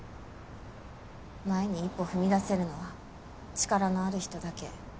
前に一歩踏み出せるのは力のある人だけ。